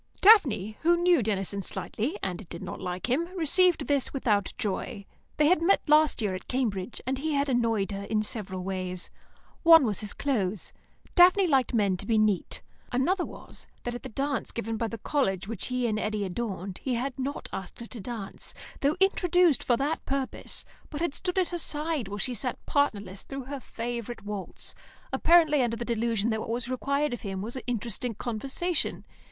Daphne, who knew Denison slightly, and did not like him, received this without joy. They had met last year at Cambridge, and he had annoyed her in several ways. One was his clothes; Daphne liked men to be neat. Another was, that at the dance given by the college which he and Eddy adorned, he had not asked her to dance, though introduced for that purpose, but had stood at her side while she sat partnerless through her favourite waltz, apparently under the delusion that what was required of him was interesting conversation.